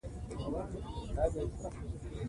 کوټ هم د ځوانانو لخوا په ژمي کي کارول کیږي.